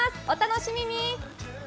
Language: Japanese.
お楽しみに。